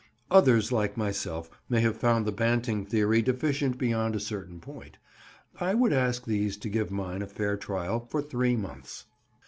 Others like myself may have found the Banting theory deficient beyond a certain point. I would ask these to give mine a fair trial for three months.